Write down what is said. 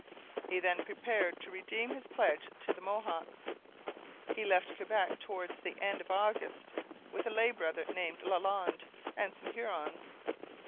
He then prepared to redeem his pledge to the Mohawks. He left Quebec towards the end of August, with a lay brother named Lalande and some Hurons.